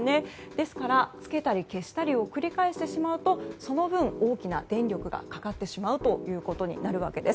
ですから、つけたり消したりを繰り返してしまうとその分、大きな電力がかかってしまうということになるわけです。